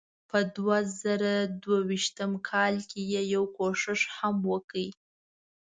په دوه زره دوه ویشت کال کې یې یو کوښښ هم وکړ.